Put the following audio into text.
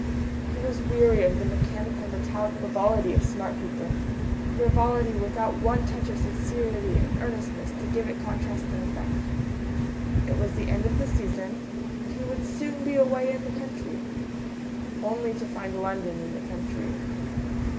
He was weary of the mechanical metallic frivolity of smart people, frivolity without one touch of sincerity and earnestness to give it contrast and effect. It was the end of the season, and he would soon be away in the country only to find London in the country.